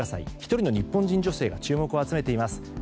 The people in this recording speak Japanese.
１人の日本人女性が注目を集めています。